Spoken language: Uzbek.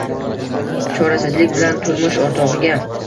Chorasizlik bilan turmush o`rtog`iga